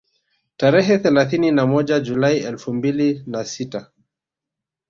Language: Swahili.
Tarehe thelathini na moja Julai elfu mbili na sita